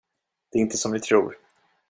Det är inte som ni tror.